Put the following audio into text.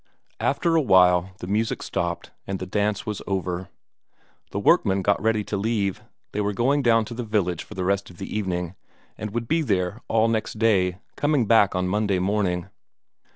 After a while, the music stopped, and the dance was over. The workmen got ready to leave they were going down to the village for the rest of the evening, and would be there all next day, coming back on Monday morning.